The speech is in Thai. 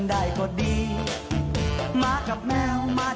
สวัสดีค่ะต่างทุกคน